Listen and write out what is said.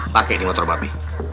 pakai nih motor babi